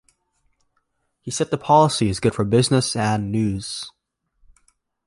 He said the policy is good for business and news.